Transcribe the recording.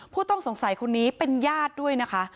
ผู้ต้องสงสัยคนนี้เป็นญาติด้วยนะคะ